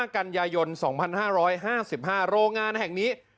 กันยายน๒๕๕๕โรงงานแห่งนี้